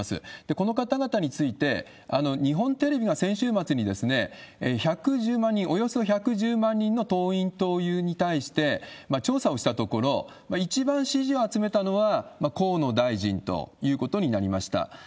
この方々について、日本テレビが先週末に１１０万人、およそ１１０万人の党員・党友に対して調査をしたところ、一番支持を集めたのは河野大臣ということになりました。